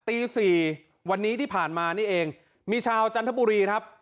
ตีสี่วันนี้ที่ผ่านมานี่เองมีชาวจันทบุรีครับ